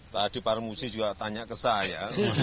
tadi pak remusi juga tanya ke saya